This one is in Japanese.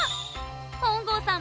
本郷さん